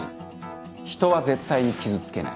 人は絶対に傷つけない。